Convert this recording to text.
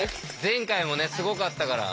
前回もすごかったから。